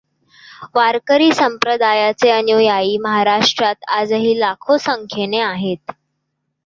वारकरी संप्रदायाचे अनुयायी महाराष्ट्रात आजही लाखो संख्येने आहेत.